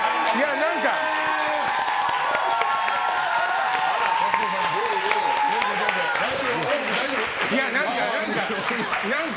何か、何か。